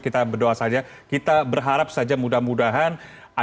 kita berdoa saja kita berharap saja mudah mudahan ada tindakan yang segera